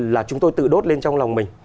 là chúng tôi tự đốt lên trong lòng mình